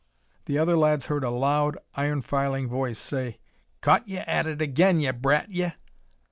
The other lads heard a loud, iron filing voice say, "Caught ye at it again, ye brat, ye."